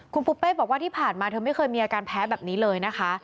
คุณปูเป้บอกว่าที่ผ่านมาเธอไม่เคยมีอาการแพ้แบบนี้เลยนะคะ